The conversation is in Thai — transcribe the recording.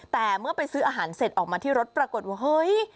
แต่เมื่อไปซื้ออาหารเสร็จออกมาที่รถปรากฏว่าเฮ้ย